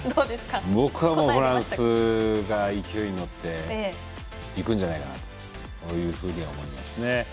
僕はフランスが勢いに乗っていくんじゃないかなと思いますね。